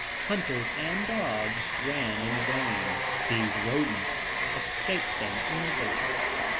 Hunters and dog ran in vain; these rodents escaped them easily.